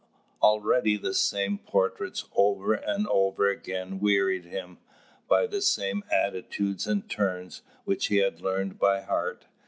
Already the same portraits over and over again wearied him, by the same attitudes and turns, which he had learned by heart.